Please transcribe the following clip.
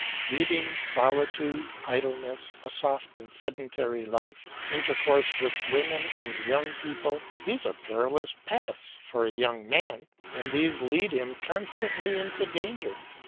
Reading, solitude, idleness, a soft and sedentary life, intercourse with women and young people, these are perilous paths for a young man, and these lead him constantly into danger.